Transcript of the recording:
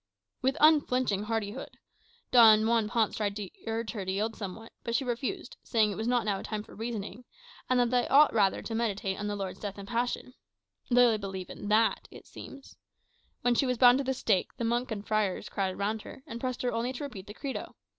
"With unflinching hardihood. Don Juan Ponce tried to urge her to yield somewhat. But she refused, saying it was not now a time for reasoning, and that they ought rather to meditate on the Lord's death and passion. (They believe in that, it seems.) When she was bound to the stake, the monks and friars crowded round her, and pressed her only to repeat the Credo.